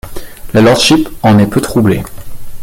La lordship en est peu troublée.